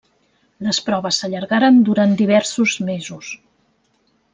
Les proves s'allargaren durant diversos mesos.